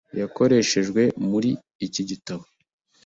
yakoreshejwe muri iki gitabo.